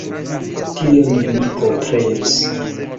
Tion mi komprenis.